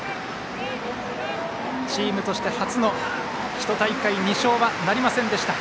チームとして初の１大会２勝はなりませんでした。